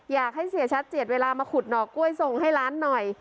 อยากให้เสียชัดเจียดเวลามาขุดหน่อกล้วยส่งให้ร้านหน่อย